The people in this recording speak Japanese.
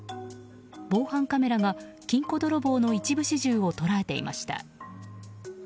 防犯カメラが金庫泥棒の一部始終を捉えていました。